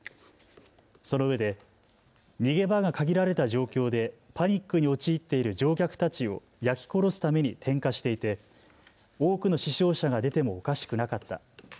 そのうえで逃げ場が限られた状況でパニックに陥っている乗客たちを焼き殺すために点火していて多くの死傷者が出てもおかしくなかった。